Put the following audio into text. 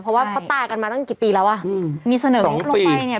เพราะว่าเขาตายกันมาตั้งกี่ปีแล้วอ่ะอืมมีเสนองบลงไปเนี่ย